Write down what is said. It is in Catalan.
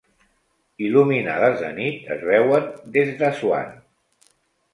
Il·luminades de nit es veuen des d'Assuan.